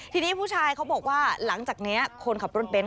ทีนี้ผู้ชายเขาบอกว่าหลังจากนี้คนขับรถเบนท